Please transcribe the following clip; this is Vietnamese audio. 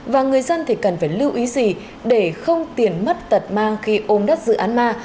và người dân thì cần phải lưu ý gì để không tiền mất tật mang khi ôm đất dự án ma